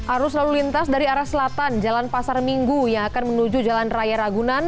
arus lalu lintas dari arah selatan jalan pasar minggu yang akan menuju jalan raya ragunan